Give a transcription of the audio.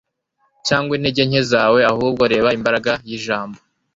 cyangwa intege nke zawe, ahubwo reba imbaraga y'ijambo